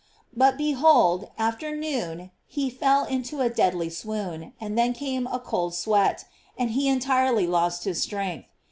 But, behold, after noon he fell into a deadly swoon, and then came a cold sweat, and he en tirely lost his strength.